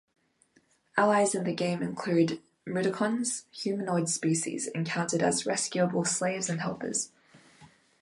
Allies in the game include Mudokons, humanoid species encountered as rescuable slaves and helpers.